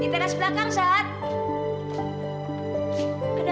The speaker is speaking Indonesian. di teras belakang san